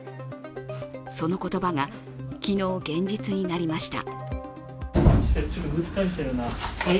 その言葉が昨日現実になりました。